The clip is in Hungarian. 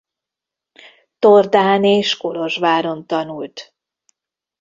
Tordán és Kolozsváron tanult.